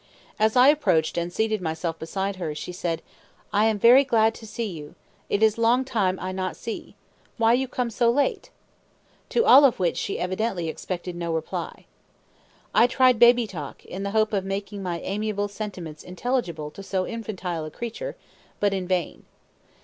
As I approached, and seated myself beside her, she said: "I am very glad to see you. It is long time I not see. Why you come so late?" to all of which she evidently expected no reply. I tried baby talk, in the hope of making my amiable sentiments intelligible to so infantile a creature, but in vain.